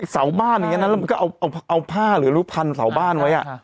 สาวบ้านอย่างนั้นแล้วมันก็เอาผ้าหรือลูกพันธุ์สาวบ้านไว้อ่ะ